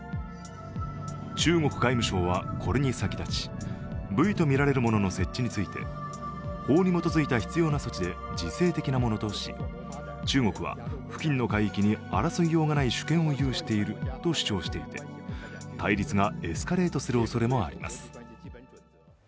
中国外務省はこれに先立ちブイとみられるものの設置について法に基づいた必要な措置で自制的なものとし中国は付近の海域に争いようがない主権を有していると主張していて、対立がエスカレートするおそれもあります。